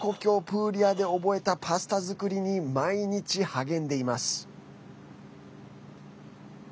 プーリアで覚えたパスタ作りに毎日励んでいます。